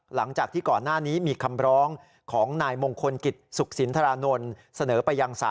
หลังจากที่ก่อนหน้านี้มีคำร้องของนายมงคลกิจสุขสินทรานนท์เสนอไปยังศาล